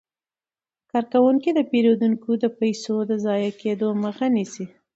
کارکوونکي د پیرودونکو د پيسو د ضایع کیدو مخه نیسي.